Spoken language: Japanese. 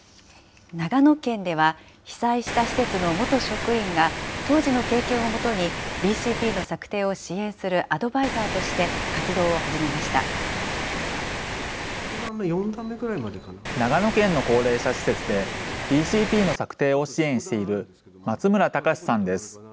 長野県では、被災した施設の元職員が、当時の経験をもとに、ＢＣＰの策定を支援するアドバイザーとして、長野県の高齢者施設で、ＢＣＰの策定を支援している松村隆さんです。